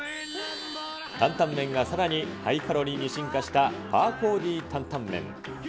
担々麺がさらにハイカロリーに進化したパーコーＤ担々麺。